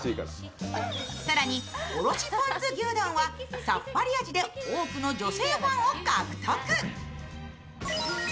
更に、おろしポン酢牛丼はさっぱり味で多くの女性ファンを獲得。